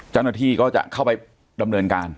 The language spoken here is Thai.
เจ้าหน้าที่ก็จะเข้าไปดำเนินการ